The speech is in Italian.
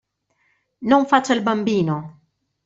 Non faccia il bambino!